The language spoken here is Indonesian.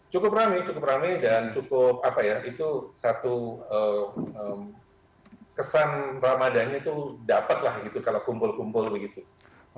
cukup rame cukup rame dan cukup apa ya itu satu kesan ramadannya tuh dapat lah gitu kalau kumpul kumpul begitu